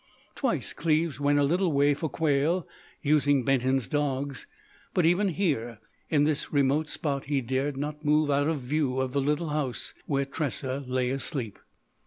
Twice Cleves went a little way for quail, using Benton's dogs; but even here in this remote spot he dared not move out of view of the little house where Tressa lay asleep.